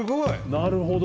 なるほど！